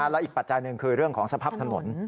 และอีกปัจจัยหนึ่งคือเรื่องของสภาพถนน